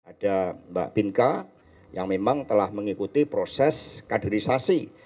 ada mbak binka yang memang telah mengikuti proses kaderisasi